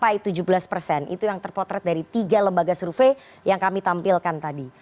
itu yang terpotret dari tiga lembaga survei yang kami tampilkan tadi